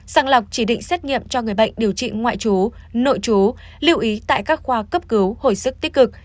sàng lọc chỉ định xét nghiệm cho người bệnh điều trị ngoại trú nội chú lưu ý tại các khoa cấp cứu hồi sức tích cực